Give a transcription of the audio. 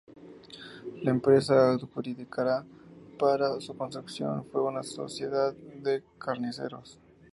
La empresa adjudicataria para su construcción fue una sociedad de carniceros.